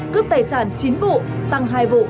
cướp tài sản chín vụ tăng hai vụ